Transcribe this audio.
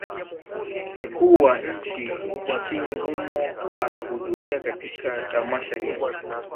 mkuu wa nchi nchini humo akahudhuria katika tamasha hili